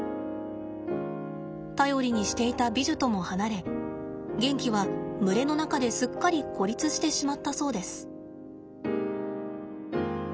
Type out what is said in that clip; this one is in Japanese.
頼りにしていたビジュとも離れゲンキは群れの中ですっかり孤立してしまったそうです。